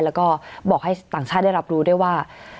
แล้วก็บอกให้ต่างชาติได้รับรู้ด้วยว่า